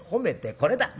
これだ。ね？